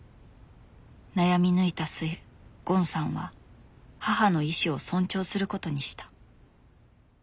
悩み抜いた末ゴンさんは母の意志を尊重することにした。